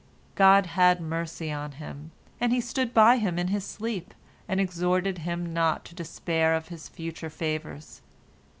God had mercy on him, and He stood by him in his sleep, and exhorted him not to despair of His future favors.